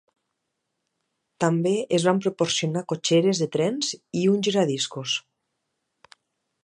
També es van proporcionar cotxeres de trens i un giradiscos.